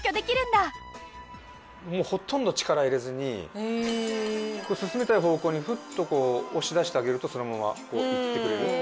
もうほとんど力入れずに進みたい方向にフッと押し出してあげるとそのままこういってくれるんで。